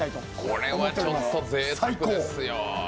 これはちょっとぜいたくですよ。